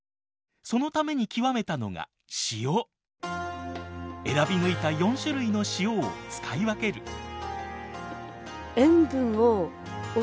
そのために極めたのが塩。選び抜いた４種類の塩を使い分ける。